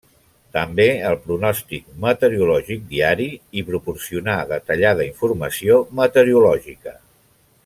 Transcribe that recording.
També el pronòstic meteorològic diari i proporcionar detallada informació meteorològica.